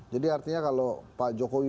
jadi artinya kalau pak jokowi